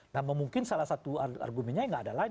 nah mungkin salah satu argumennya yang tidak ada lain